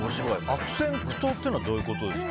悪戦苦闘っていうのはどういうことですか。